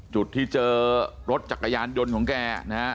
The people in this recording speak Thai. จุดที่เจอรถจักรยานยนต์ของแกนะฮะ